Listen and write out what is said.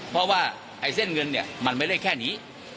เพราะว่าไอ้เส้นเงินเนี่ยมันไม่ได้แค่นี้